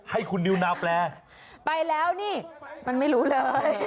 ให้คุณนิวนาวแปลไปแล้วนี่มันไม่รู้เลย